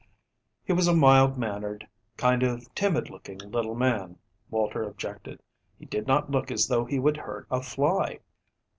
"He was a mild mannered, kind of timid looking, little man," Walter objected. "He did not look as though he would hurt a fly."